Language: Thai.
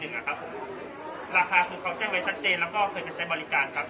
ราคาคือเขาแจ้งไว้ชัดเจนแล้วก็เคยไปใช้บริการครับ